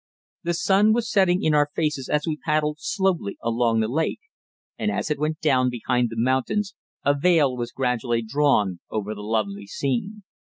The sun was setting in our faces as we paddled slowly along the lake, and as it went down behind the mountains a veil was gradually drawn over the lovely scene.